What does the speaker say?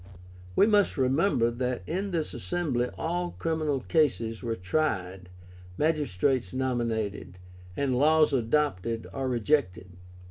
We must remember that in this assembly all criminal cases were tried, magistrates nominated, and laws adopted or rejected.